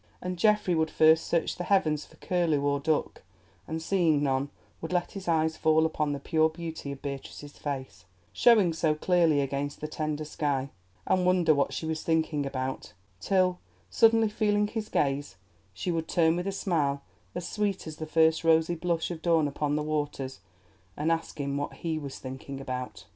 And Geoffrey would first search the heavens for curlew or duck, and, seeing none, would let his eyes fall upon the pure beauty of Beatrice's face, showing so clearly against the tender sky, and wonder what she was thinking about; till, suddenly feeling his gaze, she would turn with a smile as sweet as the first rosy blush of dawn upon the waters, and ask him what he was thinking about.